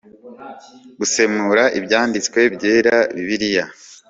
gusemura ibyanditswe byera bibiliya